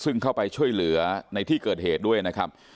ซึ่งเข้าไปช่วยเหลือในที่เกิดเหตุด้วยนะครับ